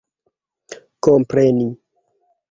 kompreni